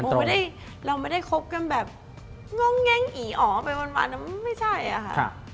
ใช่เราไม่ได้คบกันแบบง้องแย้งอี๋อไปวันนั้นไม่ใช่อะค่ะ